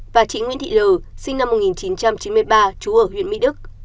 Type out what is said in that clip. và chị nguyễn thị lờ sinh năm một nghìn chín trăm chín mươi ba chú ở huyện mỹ đức